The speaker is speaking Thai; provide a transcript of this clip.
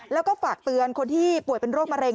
แล้วก็ฝากเตือนคนที่ป่วยเป็นโรคมะเร็